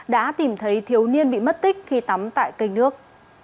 đã tìm thấy thiếu niên bị mất tích khi tắm tại kênh nước